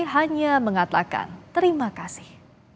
hanya mengatakan terima kasih